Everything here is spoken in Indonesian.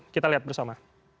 kita lihat bersama